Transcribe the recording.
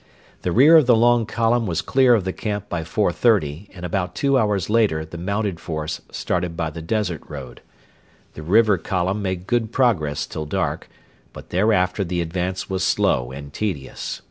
The rear of the long column was clear of the camp by 4.30, and about two hours later the mounted force started by the desert road. The River Column made good progress till dark, but thereafter the advance was slow and tedious.